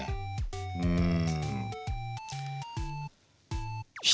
うん。